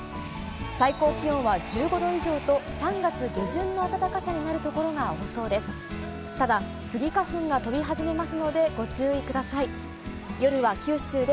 最高気温は１５度以上と、３月下旬の暖かさになる所が多そうです。